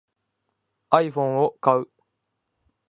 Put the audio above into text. iPhone を買う